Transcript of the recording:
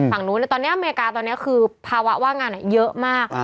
ฝั่งนู้นตอนนี้อเมริกาตอนนี้คือภาวะว่างงานเยอะมาก